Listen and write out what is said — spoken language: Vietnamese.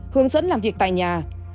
hướng dẫn làm việc tại nhà